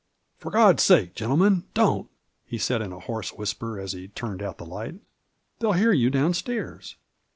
" For God's sake, gentlemen, don't 1 " he said, in a hoarse whisper, as he turned out the light ; "they'll hear you downnstairs."